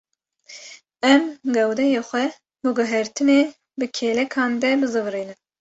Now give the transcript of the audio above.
Em gewdeyê xwe bi guhertinê bi kêlekan de bizivirînin.